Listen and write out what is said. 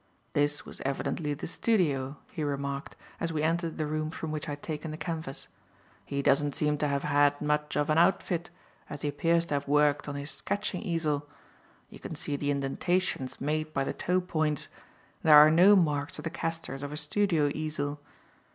"This was evidently the studio," he remarked, as we entered the room from which I had taken the canvas, "he doesn't seem to have had much of an outfit, as he appears to have worked on his sketching easel; you can see the indentations made by the toe points, and there are no marks of the castors of a studio easel.